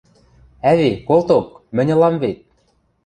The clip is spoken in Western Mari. – Ӓви, колток, мӹнь ылам вет...